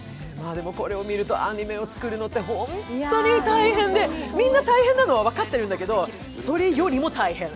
これを見ると、アニメを作るのってホントに大変でみんな大変なのは分かってるんだけど、それよりも大変。